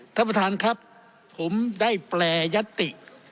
ท่านประธานครับผมได้แปรยัตติ